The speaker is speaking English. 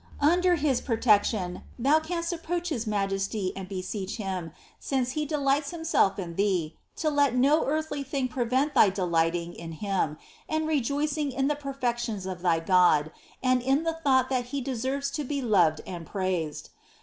5. Under His protection, thou canst approach His Majesty and beseech Him, since He delights Himself in thee, to let no earthly thing prevent thy delighting in Him, and rejoicing in the perfections of thy God and in the thought that He deserves to be loved and praised.